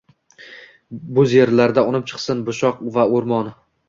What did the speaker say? Bo’z yerlarda unib chiqsin boshoq va o’rmon.